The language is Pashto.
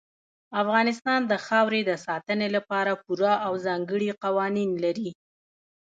افغانستان د خاورې د ساتنې لپاره پوره او ځانګړي قوانین لري.